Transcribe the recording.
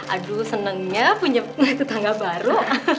aduh senangnya punya tetangga baru